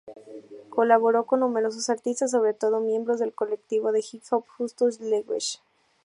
Colaboró con numerosos artistas, sobre todo miembros del colectivo de hip hop Justus League.